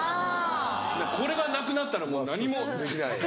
これがなくなったらもう何も。